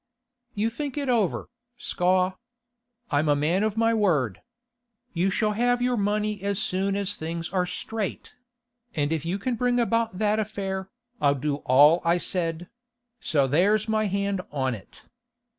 'You think it over, Scaw. I'm a man of my word. You shall have your money as soon as things are straight; and if you can bring about that affair, I'll do all I said—so there's my hand on it.